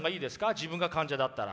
自分が患者だったら。